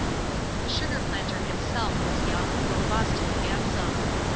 The sugar planter himself was young, robust, and handsome.